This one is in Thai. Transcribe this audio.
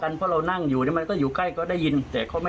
เพราะเรานั่งอยู่เนี่ยมันก็อยู่ใกล้ก็ได้ยินแต่เขาไม่